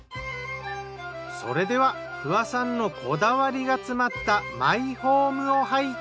それでは不破さんのこだわりが詰まったマイホームを拝見。